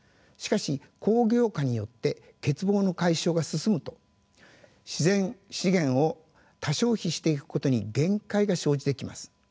しかし工業化によって欠乏の解消が進むと自然資源を多消費していくことに限界が生じてきます。